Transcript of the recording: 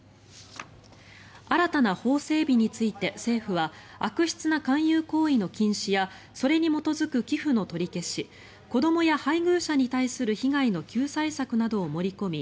新たな法整備について政府は悪質な勧誘行為の禁止やそれに基づく寄付の取り消し子どもや配偶者に対する被害の救済策などを盛り込み